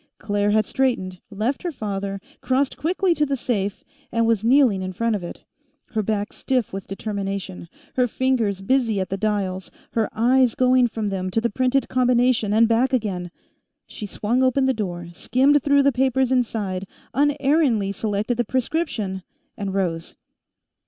Claire had straightened, left her father, crossed quickly to the safe, and was kneeling in front of it, her back stiff with determination, her fingers busy at the dials, her eyes going from them to the printed combination and back again. She swung open the door, skimmed through the papers inside, unerringly selected the prescription, and rose.